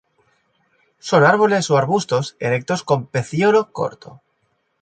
Son árboles o arbustos erectos con pecíolo corto.